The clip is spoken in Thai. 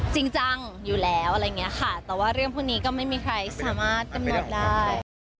จริงจังอยู่แล้วอะไรอย่างนี้ค่ะแต่ว่าเรื่องพวกนี้ก็ไม่มีใครสามารถกำหนดได้